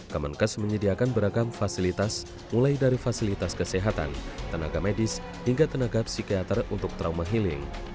kemenkes menyediakan beragam fasilitas mulai dari fasilitas kesehatan tenaga medis hingga tenaga psikiater untuk trauma healing